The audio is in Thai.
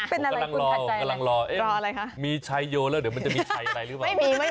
เป็นอะไรคุณพันใจรออะไรคะผมกำลังรอมีชัยโยแล้วเดี๋ยวมันจะมีชัยอะไรหรือเปล่า